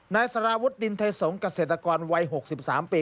นายสรวจดินไทยสงศ์กระเศษกรวัย๖๓ปี